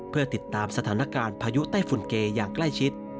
เพื่อติดตามสถานการณ์พายุไต้ฝุ่นเกอย่างใกล้ชิด